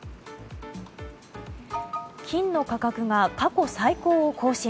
金の価格が過去最高を更新。